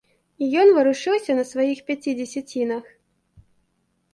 І ён варушыўся на сваіх пяці дзесяцінах.